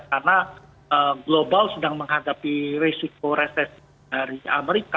karena global sedang menghadapi resiko resesi dari amerika